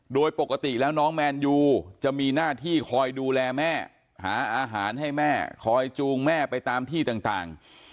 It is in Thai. โดยปกติแล้วน้องแมนยูจะมีหน้าที่คอยดูแลแม่หาอาหารให้แม่คอยจูงแม่ไปตามที่ต่าง